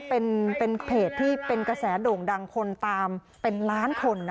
เป็นเพจที่เป็นกระแสโด่งดังคนตามเป็นล้านคน